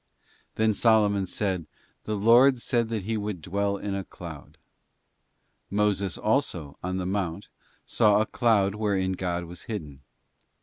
'Then Solomon said: The Lord said that He would dwell in a cloud.'* Moses also, on the mount, saw a cloud wherein God was hidden.